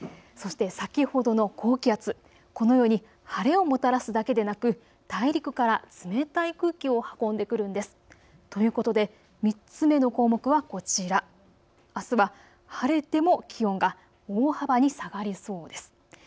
そして先ほどの高気圧、このように晴れをもたらすだけでなく大陸から冷たい空気を運んでくるんです。ということで３つ目の項目はこちら、あすは晴れても気温が大幅に下がりそうです。